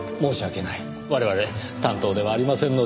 我々担当ではありませんので。